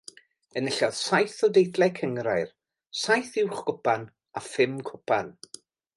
Enillodd saith o deitlau cynghrair, saith uwch-gwpan a phum cwpan.